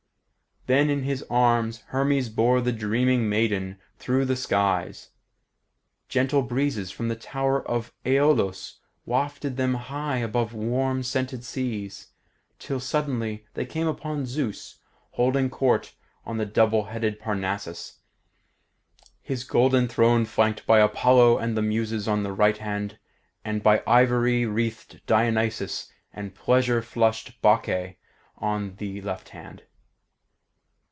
Then in his arms Hermes bore the dreaming maiden through the skies. Gentle breezes from the tower of Aiolos wafted them high above warm, scented seas, till suddenly they came upon Zeus holding court on the double headed Parnassus; his golden throne flanked by Apollo and the Muses on the right hand, and by ivy wreathed Dionysus and pleasure flushed Bacchae on the left hand.